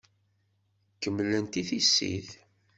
Kemmlent i tissit.